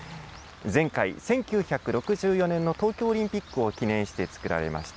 前回・１９６４年の東京オリンピックを記念して作られました。